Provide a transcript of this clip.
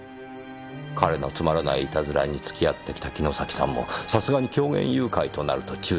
彼のつまらない悪戯に付き合ってきた城崎さんもさすがに狂言誘拐となると躊躇した。